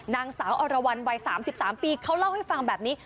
นางสาวอรวรรณวัย๓๓ปีเขาเล่าให้ฟังแบบนี้